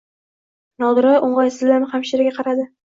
Nodira o`ng`aysizlanib hamshiraga qaradi